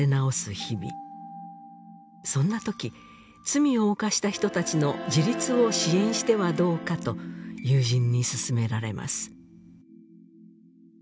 日々そんな時罪を犯した人たちの自立を支援してはどうかと友人に勧められます